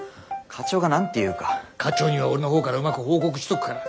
課長には俺のほうからうまく報告しておくから。